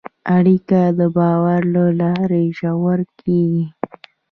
اړیکه د باور له لارې ژوره کېږي.